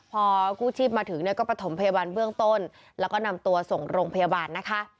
พอกู้ชีพมาถึงเนี่ยก็ประถมพยาบาลเบื้องต้นแล้วก็นำตัวส่งโรงพยาบาลนะคะ